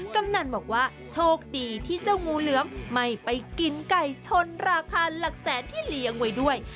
กำนันบอกว่าโชคดีที่เจ้างูเหลือมไม่ไปกินไก่ชนราคาหลักแสนที่เลี้ยงไว้ด้วย